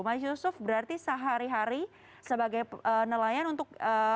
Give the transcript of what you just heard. mas yusuf berarti sehari hari sebagai nelayan untuk